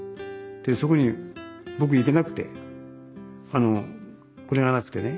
そこに僕行けなくてあのこれがなくてね。